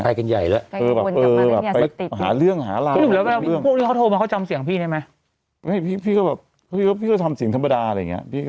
แต่เขาก็จำไปได้นะ